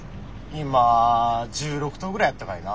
今１６頭ぐらいやったかいな。